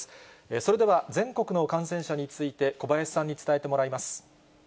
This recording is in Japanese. それでは、全国の感染者について小林さんに伝えてもらいます。